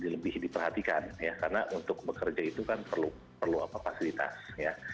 lebih diperhatikan ya karena untuk bekerja itu kan perlu apa fasilitas ya